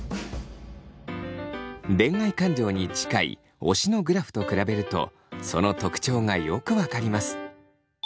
恋愛感情に近い推しのグラフと比べるとその特徴がよく分かります。